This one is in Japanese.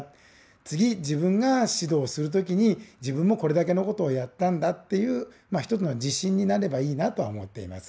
次自分が指導する時に自分もこれだけのことをやったんだっていうまあ一つの自信になればいいなとは思っています。